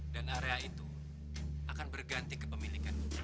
dan area itu akan berganti kepemilikanku